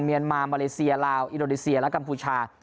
เมียนมามาเลเซียลาวอินโดนีเซียและกัมพูชา